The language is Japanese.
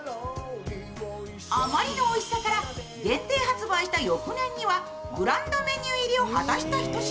あまりのおいしさから限定発売した翌年にはグランドメニュー入りを果たしたひと品。